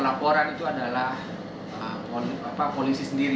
laporan model a itu artinya yang melakukan pelaporan itu adalah polisi sendiri